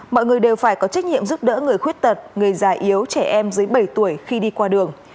mọi người đều phải có trách nhiệm giúp đỡ người khuyết tật người già yếu trẻ em dưới bảy tuổi khi đi qua đường